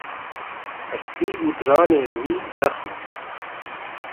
Hestî û diranên wî zexm in.